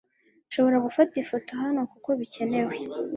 Nshobora gufata ifoto hano kuko bikenewe